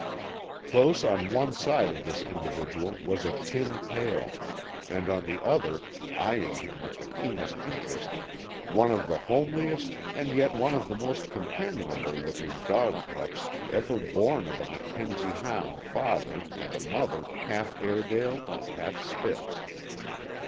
Close on one side of this individual was a tin pail, and on the other, eying him with the keenest interest, one of the homeliest and yet one of the most companionable looking dog pups ever born of a Mackenzie hound father and a mother half Airedale and half Spitz.